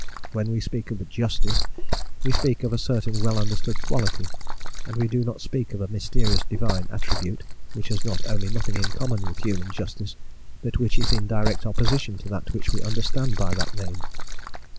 When we speak of "justice," we speak of a certain well understood quality, and we do not speak of a mysterious divine attribute, which has not only nothing in common with human justice, but which is in direct opposition to that which we understand by that name.